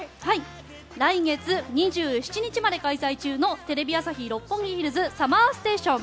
来月２７日まで開催中の「テレビ朝日・六本木ヒルズＳＵＭＭＥＲＳＴＡＴＩＯＮ」